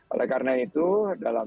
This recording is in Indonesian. oleh karena itu dalam dua ribu dua puluh